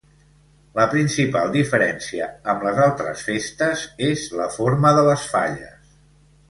La principal diferència amb les altres festes és la forma de les falles.